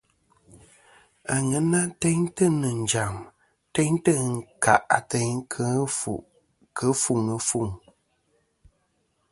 Aŋena teyntɨ nɨ̀ njàm teyntɨ ɨnkâˈ ateyn kɨ ɨfuŋ ɨfuŋ.